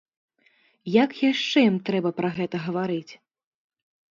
Як яшчэ ім трэба пра гэта гаварыць?!.